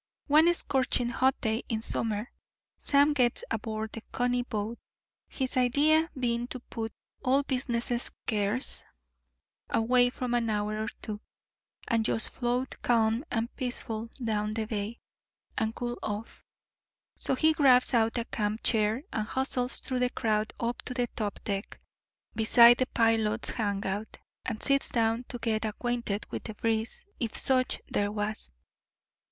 One scorching hot day in summer Sam gets aboard the Coney boat, his idea being to put all business cares away for an hour or two, and just float calm and peaceful down the bay, and cool off. So he grabs out a camp chair and hustles through the crowd up to the top deck, beside the pilot's hangout, and sits down to get acquainted with the breeze, if such there was.